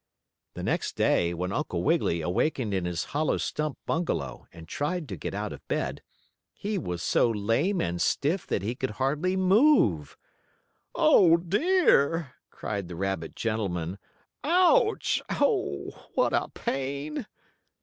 The next day when Uncle Wiggily awakened in his hollow stump bungalow, and tried to get out of bed, he was so lame and stiff that he could hardly move. "Oh, dear!" cried the rabbit gentleman. "Ouch! Oh, what a pain!"